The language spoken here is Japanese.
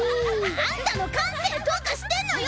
あんたの感性どうかしてんのよ！